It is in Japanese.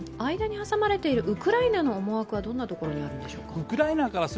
間に挟まれているウクライナの思惑はどんなところにあるんでしょうか。